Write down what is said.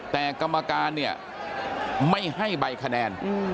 แต่กรรมการไม่ให้ใบคะแนน